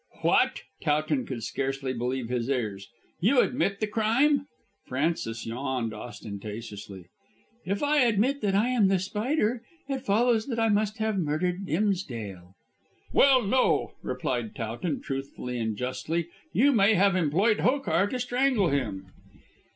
"What!" Towton could scarcely believe his ears. "You admit the crime?" Frances yawned ostentatiously. "If I admit that I am The Spider it follows that I must have murdered Dimsdale." "Well, no," replied Towton, truthfully and justly. "You may have employed Hokar to strangle him."